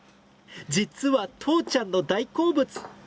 実はとうちゃんの大好物！